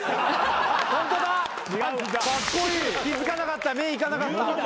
・ホントだ気付かなかった目行かなかった。